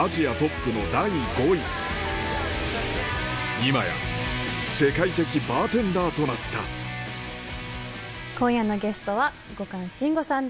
今や世界的バーテンダーとなった今夜のゲストは後閑信吾さんです。